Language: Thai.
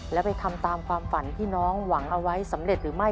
แล้วไปทำตามความฝันที่น้องหวังเอาไว้สำเร็จหรือไม่